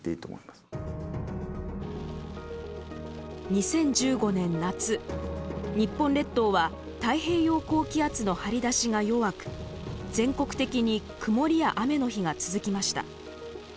２０１５年夏日本列島は太平洋高気圧の張り出しが弱く全国的に曇りや雨の日が続きました。